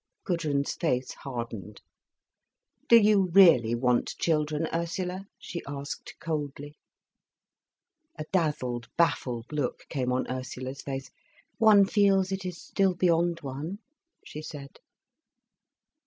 Gudrun's face hardened. "Do you really want children, Ursula?" she asked coldly. A dazzled, baffled look came on Ursula's face. "One feels it is still beyond one," she said.